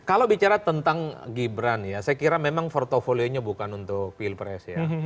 kalau bicara tentang gibran ya saya kira memang portfolio nya bukan untuk pilpres ya